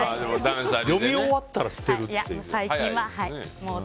読み終わったら捨てるという。